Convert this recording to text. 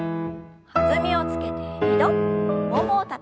弾みをつけて２度ももをたたいて。